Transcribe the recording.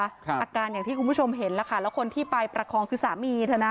อาการอย่างที่คุณผู้ชมเห็นแล้วค่ะแล้วคนที่ไปประคองคือสามีเธอนะ